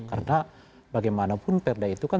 karena bagaimanapun perda itu kan